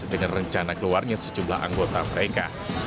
dengan rencana keluarnya sejumlah anggota mereka